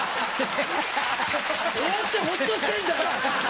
終わってホッとしてんだよ！